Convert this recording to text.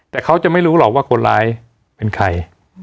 แต่เขาจะไม่รู้หรอกว่าคนร้ายเป็นใคร